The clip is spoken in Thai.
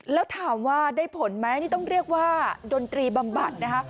แล้วถามว่าได้ผลไหมนี่ต้องเรียกว่าดนตรีบำบัดนะคะ